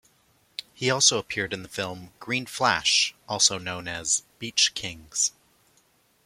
He also appeared in the film "Green Flash", also known as "Beach Kings".